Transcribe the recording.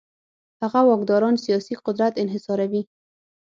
هغه واکداران سیاسي قدرت انحصاروي.